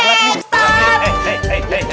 lagi di sini sih